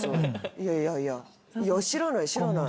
いやいやいやいや知らない知らない。